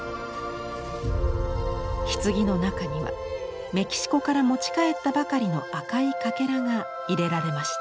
ひつぎの中にはメキシコから持ち帰ったばかりの赤いカケラが入れられました。